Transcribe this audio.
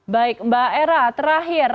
baik mbak era terakhir